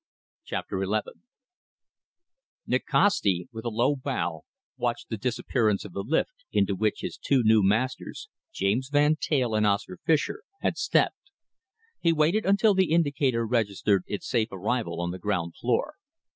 CHAPTER XI Nikasti, with a low bow, watched the disappearance of the lift into which his two new masters, James Van Teyl and Oscar Fischer, had stepped. He waited until the indicator registered its safe arrival on the ground floor.